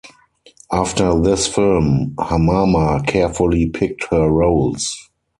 After this film, Hamama carefully picked her roles.